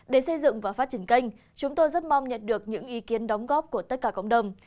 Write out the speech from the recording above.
để xây dựng và phát triển kênh chúng tôi rất mong nhận được những ý kiến đóng góp của tất cả cộng đồng